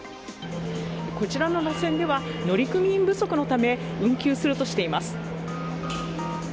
こちらの路線では乗組員不足のため運休するとしています。